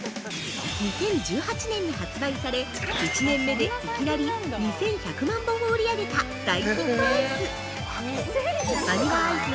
◆２０１８年に発売され１年目でいきなり２１００万本も売り上げた大ヒットアイス。